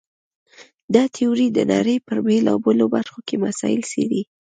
دا تیوري د نړۍ په بېلابېلو برخو کې مسایل څېړي.